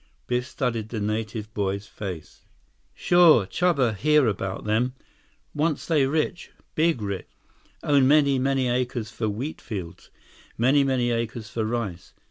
Biff studied the native boy's face. 107 "Sure. Chuba hear about them. Once they rich. Big rich. Own many, many acres for wheat fields. Many many acres for rice.